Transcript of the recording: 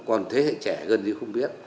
còn thế hệ trẻ gần gì cũng không biết